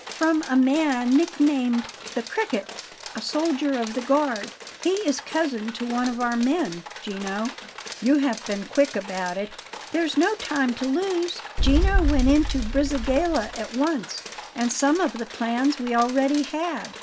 "From a man nicknamed 'The Cricket,' a soldier of the guard. He is cousin to one of our men Gino." "You have been quick about it." "There's no time to lose. Gino went into Brisighella at once; and some of the plans we already had.